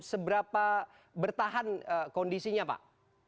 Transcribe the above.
seberapa bertahan kondisinya pak